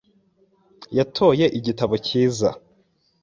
Yatoye igitabo cyiza .